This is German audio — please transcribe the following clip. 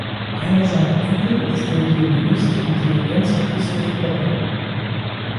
Einer seiner Enkel ist der Violinist und Dirigent Christoph Poppen.